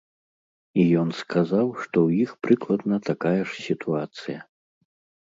І ён сказаў, што ў іх прыкладна такая ж сітуацыя.